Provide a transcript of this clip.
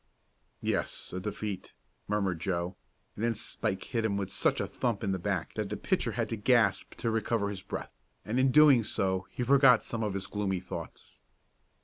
"Yes, a defeat," murmured Joe, and then Spike hit him such a thump in the back that the pitcher had to gasp to recover his breath, and in doing so he forgot some of his gloomy thoughts.